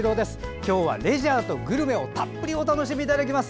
今日はレジャーとグルメをたっぷりお楽しみいただきます。